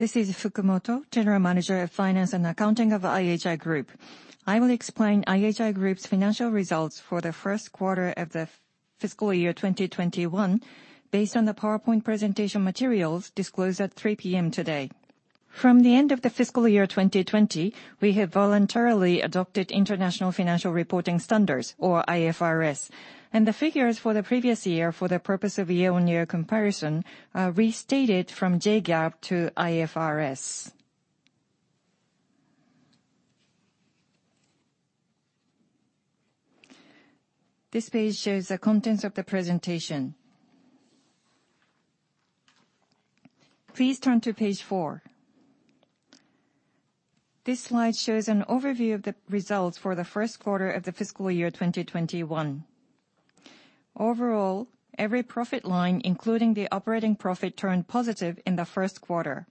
This is Fukumoto, General Manager of Finance and Accounting of IHI Group. I will explain IHI Group's financial results for the first quarter of the fiscal year 2021, based on the PowerPoint presentation materials disclosed at 3:00 P.M. today. From the end of the fiscal year 2020, we have voluntarily adopted International Financial Reporting Standards, or IFRS. The figures for the previous year for the purpose of year-on-year comparison are restated from JGAAP to IFRS. This page shows the contents of the presentation. Please turn to page four. This slide shows an overview of the results for the first quarter of the fiscal year 2021. Overall, every profit line, including the operating profit, turned positive in the first quarter.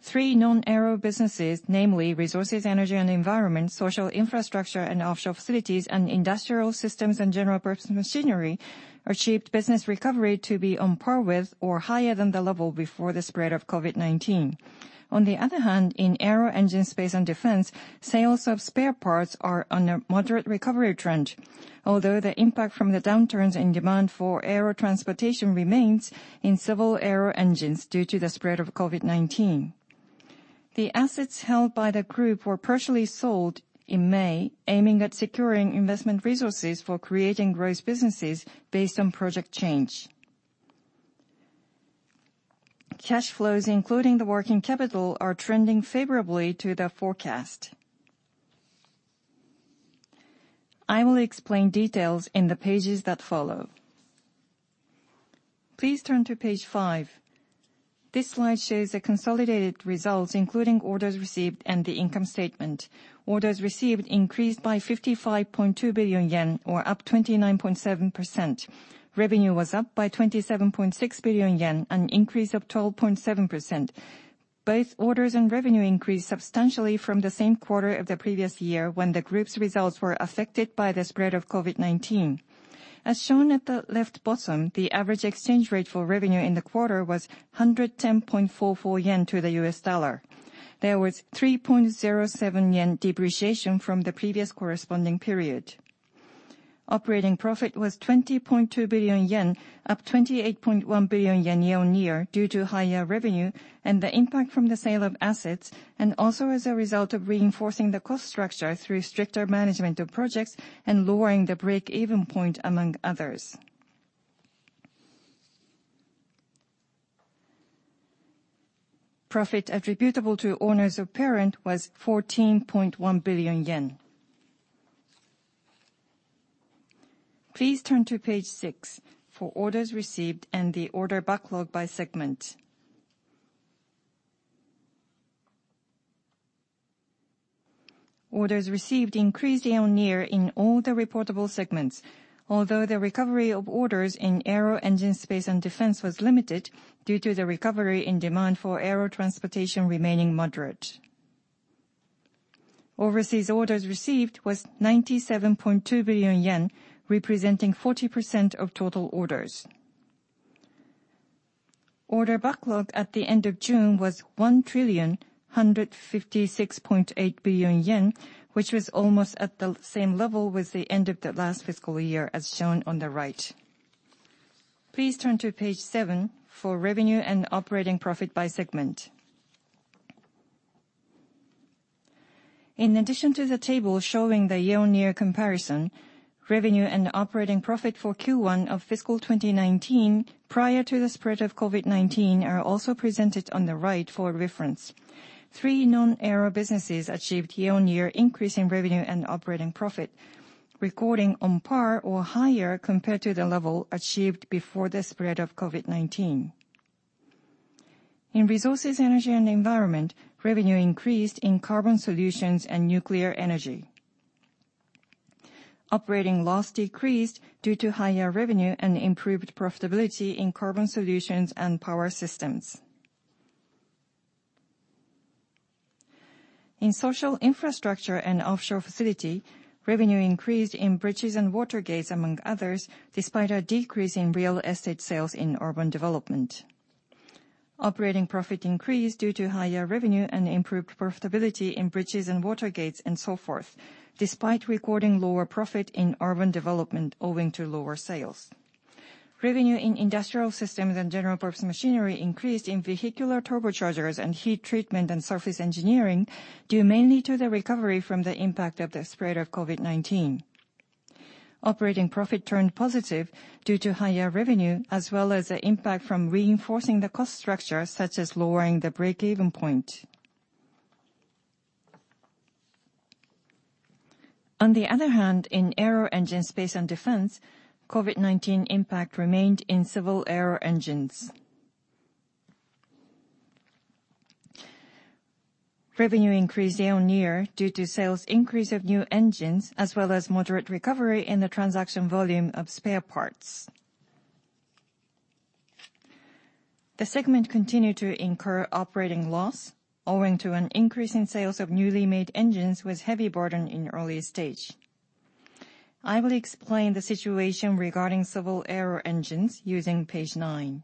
Three non-aero businesses, namely Resources, Energy and Environment, Social Infrastructure and Offshore Facilities, and Industrial Systems and General-Purpose Machinery, achieved business recovery to be on par with or higher than the level before the spread of COVID-19. On the other hand, in Aero Engine, Space and Defense, sales of spare parts are on a moderate recovery trend, although the impact from the downturns in demand for air transportation remains in civil aero engines due to the spread of COVID-19. The assets held by the group were partially sold in May, aiming at securing investment resources for creating growth businesses based on Project Change. Cash flows, including the working capital, are trending favorably to the forecast. I will explain details in the pages that follow. Please turn to page five. This slide shows the consolidated results, including orders received and the income statement. Orders received increased by 55.2 billion yen, or up 29.7%. Revenue was up by 27.6 billion yen, an increase of 12.7%. Both orders and revenue increased substantially from the same quarter of the previous year when the group's results were affected by the spread of COVID-19. As shown at the left bottom, the average exchange rate for revenue in the quarter was 110.44 yen to the US dollar. There was 3.07 yen depreciation from the previous corresponding period. Operating profit was 20.2 billion yen, up 28.1 billion yen year-on-year due to higher revenue and the impact from the sale of assets, and also as a result of reinforcing the cost structure through stricter management of projects and lowering the break-even point, among others. Profit attributable to owners of parent was 14.1 billion yen. Please turn to page 6 for orders received and the order backlog by segment. Orders received increased year-on-year in all the reportable segments, although the recovery of orders in Aero Engine, Space and Defense was limited due to the recovery in demand for aero transportation remaining moderate. Overseas orders received was 97.2 billion yen, representing 40% of total orders. Order backlog at the end of June was 1,156.8 billion yen, which was almost at the same level with the end of the last fiscal year, as shown on the right. Please turn to page seven for revenue and operating profit by segment. In addition to the table showing the year-on-year comparison, revenue and operating profit for Q1 of fiscal 2019, prior to the spread of COVID-19, are also presented on the right for reference. Three non-aero businesses achieved year-on-year increase in revenue and operating profit, recording on par or higher compared to the level achieved before the spread of COVID-19. In Resources, Energy and Environment, revenue increased in carbon solutions and nuclear energy. Operating loss decreased due to higher revenue and improved profitability in carbon solutions and power systems. In Social Infrastructure and Offshore Facilities, revenue increased in bridges and water gates, among others, despite a decrease in real estate sales in urban development. Operating profit increased due to higher revenue and improved profitability in bridges and water gates and so forth, despite recording lower profit in urban development owing to lower sales. Revenue in Industrial Systems and General-Purpose Machinery increased in vehicular turbochargers and heat treatment and surface engineering due mainly to the recovery from the impact of the spread of COVID-19. Operating profit turned positive due to higher revenue as well as the impact from reinforcing the cost structure, such as lowering the break-even point. On the other hand, in Aero Engine, Space and Defense, COVID-19 impact remained in civil aero engines. Revenue increased year-on-year due to sales increase of new engines, as well as moderate recovery in the transaction volume of spare parts. The segment continued to incur operating loss owing to an increase in sales of newly made engines with heavy burden in early stage. I will explain the situation regarding civil aero engine using page nine.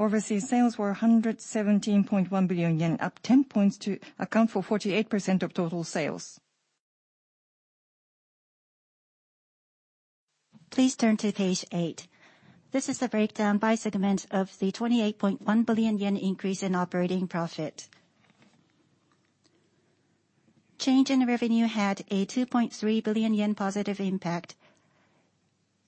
Overseas sales were 117.1 billion yen, up 10 points to account for 48% of total sales. Please turn to page eight. This is the breakdown by segment of the 28.1 billion yen increase in operating profit. Change in revenue had a 2.3 billion yen positive impact.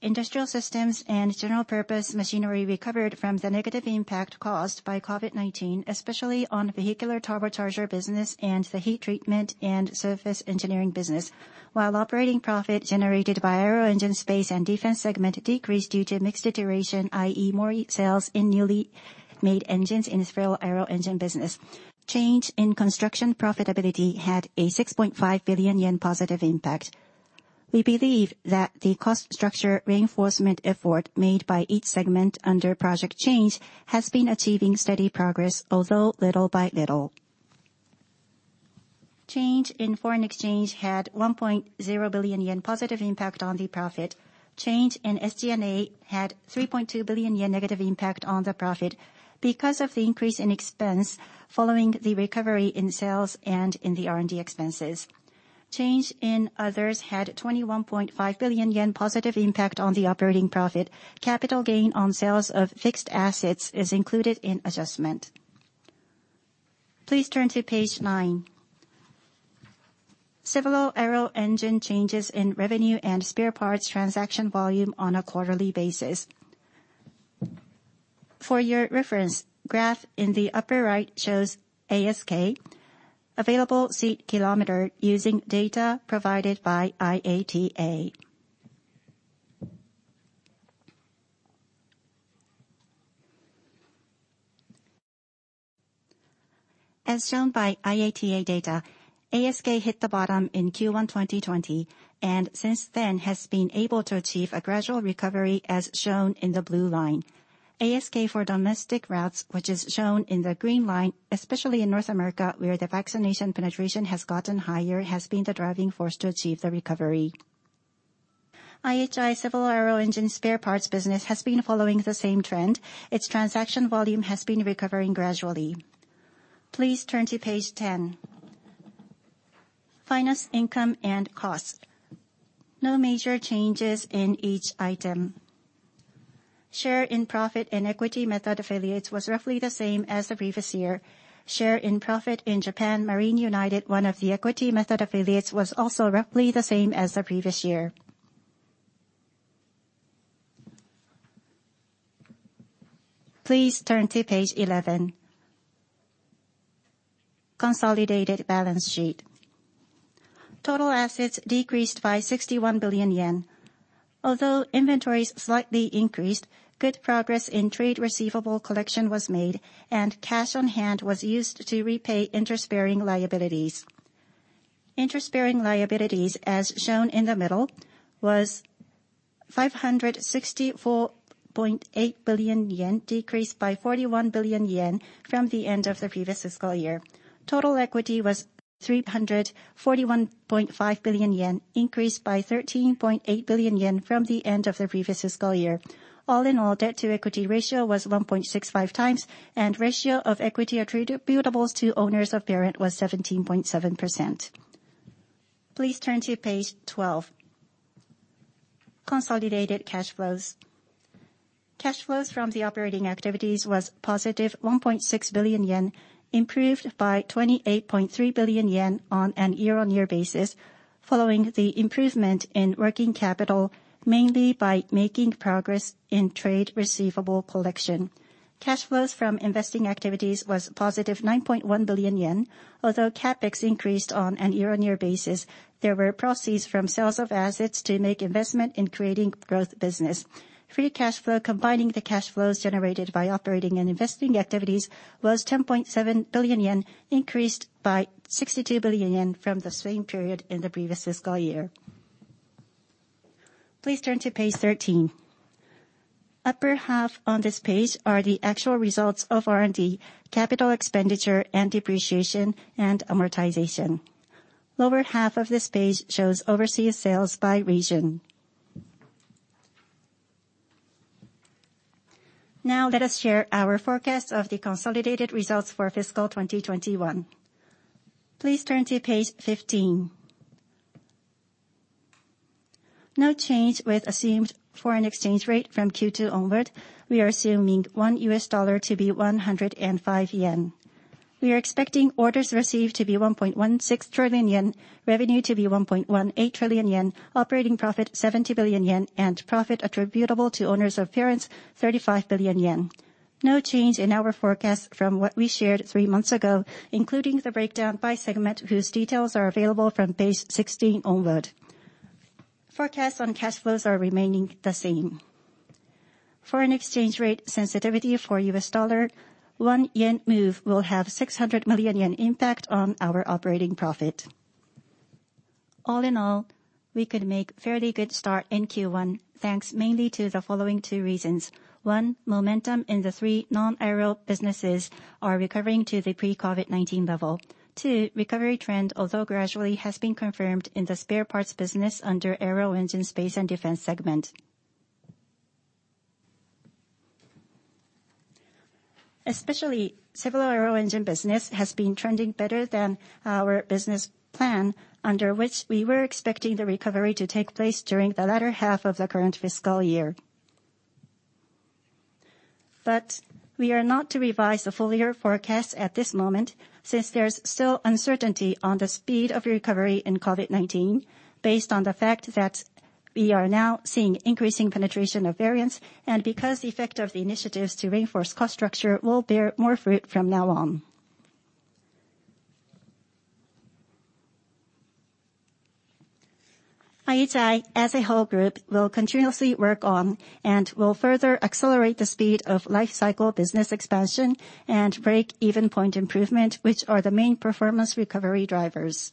Industrial Systems and General-Purpose Machinery recovered from the negative impact caused by COVID-19, especially on vehicular turbochargers business and the heat treatment and surface engineering business, while operating profit generated by Aero Engine, Space and Defense segment decreased due to mix deterioration, i.e., more sales in newly made engines in civil aero engine business. Change in construction profitability had a 6.5 billion yen positive impact. We believe that the cost structure reinforcement effort made by each segment under Project Change has been achieving steady progress, although little by little. Change in foreign exchange had 1.0 billion yen positive impact on the profit. Change in SG&A had 3.2 billion yen negative impact on the profit because of the increase in expense following the recovery in sales and in the R&D expenses. Change in others had 21.5 billion yen positive impact on the operating profit. Capital gain on sales of fixed assets is included in adjustment. Please turn to page 9. Civil aero engine changes in revenue and spare parts transaction volume on a quarterly basis. For your reference, graph in the upper right shows ASK, available seat kilometer, using data provided by IATA. As shown by IATA data, ASK hit the bottom in Q1 2020, and since then has been able to achieve a gradual recovery, as shown in the blue line. ASK for domestic routes, which is shown in the green line, especially in North America where the vaccination penetration has gotten higher, has been the driving force to achieve the recovery. IHI civil aero engine spare parts business has been following the same trend. Its transaction volume has been recovering gradually. Please turn to page 10. Finance income and cost. No major changes in each item. Share in profit and equity method affiliates was roughly the same as the previous year. Share in profit in Japan Marine United, one of the equity method affiliates, was also roughly the same as the previous year. Please turn to page 11. Consolidated balance sheet. Total assets decreased by 61 billion yen. Although inventories slightly increased, good progress in trade receivable collection was made, and cash on hand was used to repay interest-bearing liabilities. Interest-bearing liabilities, as shown in the middle, was 564.8 billion yen, decreased by 41 billion yen from the end of the previous fiscal year. Total equity was 341.5 billion yen, increased by 13.8 billion yen from the end of the previous fiscal year. All in all, debt-to-equity ratio was 1.65 times, and ratio of equity attributable to owners of parent was 17.7%. Please turn to page 12. Consolidated cash flows. Cash flows from the operating activities was positive 1.6 billion yen, improved by 28.3 billion yen on an year-on-year basis, following the improvement in working capital, mainly by making progress in trade receivable collection. Cash flows from investing activities was positive 9.1 billion yen. Although CapEx increased on an year-on-year basis, there were proceeds from sales of assets to make investment in creating growth business. Free cash flow, combining the cash flows generated by operating and investing activities, was 10.7 billion yen, increased by 62 billion yen from the same period in the previous fiscal year. Please turn to page 13. Upper half on this page are the actual results of R&D, capital expenditure, and depreciation, and amortization. Lower half of this page shows overseas sales by region. Now, let us share our forecast of the consolidated results for fiscal 2021. Please turn to page 15. No change with assumed foreign exchange rate from Q2 onward. We are assuming $1 to be 105 yen. We are expecting orders received to be 1.16 trillion yen, revenue to be 1.18 trillion yen, operating profit 70 billion yen, and profit attributable to owners of parent 35 billion yen. No change in our forecast from what we shared three months ago, including the breakdown by segment, whose details are available from page 16 onward. Forecasts on cash flows are remaining the same. Foreign exchange rate sensitivity for U.S. dollar, 1 yen move will have 600 million yen impact on our operating profit. All in all, we could make fairly good start in Q1, thanks mainly to the following two reasons. One. Momentum in the three non-aero businesses are recovering to the pre-COVID-19 level. Two. Recovery trend, although gradually, has been confirmed in the spare parts business under Aero Engine, Space and Defense segment. Especially civil aero engine business has been trending better than our business plan, under which we were expecting the recovery to take place during the latter half of the current fiscal year. We are not to revise the full year forecast at this moment since there's still uncertainty on the speed of recovery in COVID-19, based on the fact that we are now seeing increasing penetration of variants, and because the effect of the initiatives to reinforce cost structure will bear more fruit from now on. IHI, as a whole group, will continuously work on and will further accelerate the speed of life cycle business expansion and break-even point improvement, which are the main performance recovery drivers.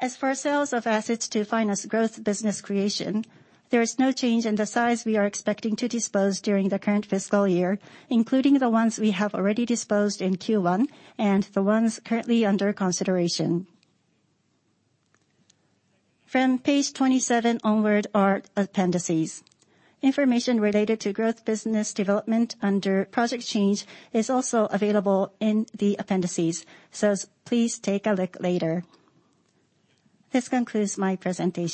As for sales of assets to finance growth business creation, there is no change in the size we are expecting to dispose during the current fiscal year, including the ones we have already disposed in Q1 and the ones currently under consideration. From page 27 onward are appendices. Information related to growth business development under Project Change is also available in the appendices, so please take a look later. This concludes my presentation.